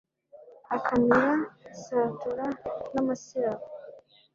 Akamira isatura namasirabo